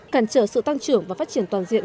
cản trở sự tăng trưởng và phát triển toàn diện